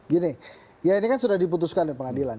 gini ya ini kan sudah diputuskan oleh pengadilan